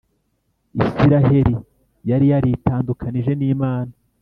isiraheli yari yaritandukanije n’imana